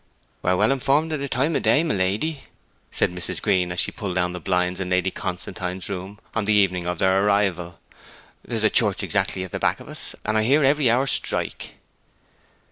'We are kept well informed on the time o' day, my lady,' said Mrs. Green, as she pulled down the blinds in Lady Constantine's room on the evening of their arrival. 'There's a church exactly at the back of us, and I hear every hour strike.'